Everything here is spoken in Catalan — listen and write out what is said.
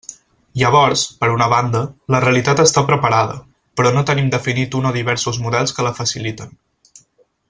Llavors, per una banda, la realitat està preparada, però no tenim definit un o diversos models que la faciliten.